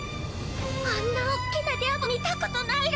あんな大きなデアボル見たことないら。